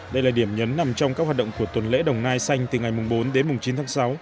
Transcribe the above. đây là điểm nhấn nằm trong các hoạt động của tuần lễ đồng nai xanh từ ngày bốn đến chín tháng sáu